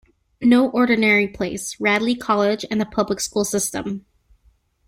No ordinary place: Radley College and the public school system.